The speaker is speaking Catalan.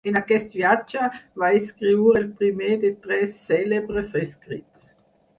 En aquest viatge va escriure el primer de tres cèlebres escrits.